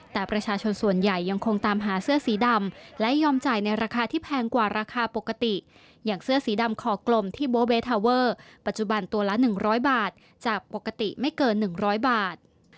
แต่ประชาชนส่วนใหญ่ยังคงตามหาเสื้อสีดำและยอมจ่ายในราคาที่แพงกว่าราคาปกติอย่างเสื้อสีดำคอกลมที่โบเวทาเวอร์ปัจจุบันตัวละ๑๐๐บาทจากปกติไม่เกิน๑๐๐บาท